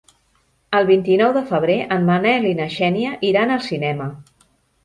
El vint-i-nou de febrer en Manel i na Xènia iran al cinema.